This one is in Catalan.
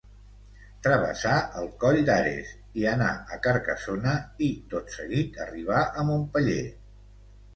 Travessà el coll d'Ares i anà a Carcassona i, tot seguit, arribà a Montpeller.